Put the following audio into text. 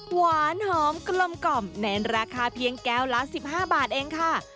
หวานหอมกลมในราคาเพียงแก้วละ๑๕บาทเองค่ะ